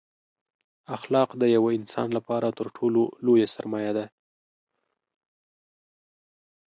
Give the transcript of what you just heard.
اخلاق دیوه انسان لپاره تر ټولو لویه سرمایه ده